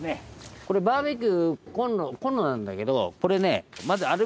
これバーベキューコンロコンロなんだけどこれね。